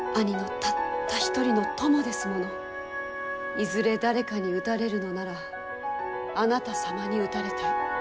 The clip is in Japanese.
いずれ誰かに討たれるのならあなた様に討たれたい。